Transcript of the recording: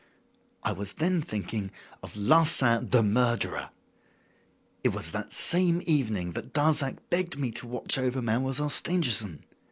"I was then thinking of Larsan, the murderer. It was that same evening that Darzac begged me to watch over Mademoiselle Stangerson.